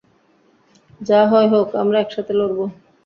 যা হয় হোক, আমরা একসাথে লড়বো।